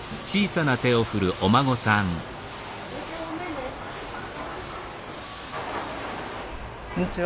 こんにちは。